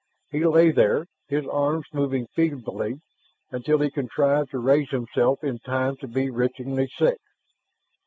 He lay there, his arms moving feebly until he contrived to raise himself in time to be wretchedly sick.